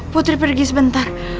putri pergi sebentar